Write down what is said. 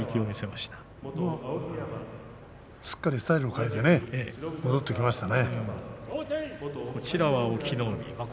すっかり、スタイルを変えて帰ってきましたね。